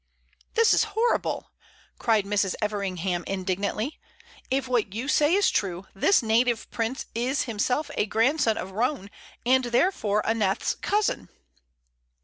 "This is horrible!" cried Mrs. Everingham, indignantly. "If what you say is true, this native prince is himself a grandson of Roane, and therefore Aneth's cousin."